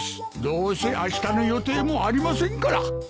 どうせあしたの予定もありませんから。